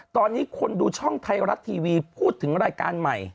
ตอนนี้คนดูช่องไทยรัฐทีวีพูดถึงรายการใหม่